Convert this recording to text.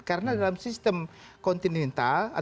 karena dalam sistem kontinental atau kontinental